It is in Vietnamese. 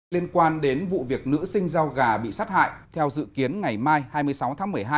liên quan đến vụ việc nữ sinh rau gà bị sát hại theo dự kiến ngày mai hai mươi sáu tháng một mươi hai